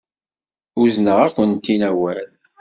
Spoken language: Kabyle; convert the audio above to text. Uzneɣ-akent-in awal.